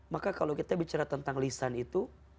maka kalau kita bicara tentang lisan itu